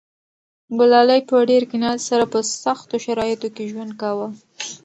ګلالۍ په ډېر قناعت سره په سختو شرایطو کې ژوند کاوه.